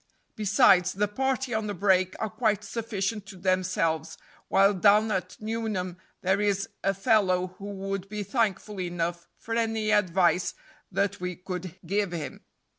Besides the party on the break are quite sufficient to themselves, while down at Nuneham there is a fellow who would be thankful enough for any advice that we could give him.